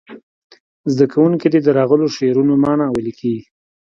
زده کوونکي دې د راغلو شعرونو معنا ولیکي.